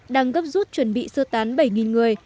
đang gấp rút chuẩn bị sơ tán bảy người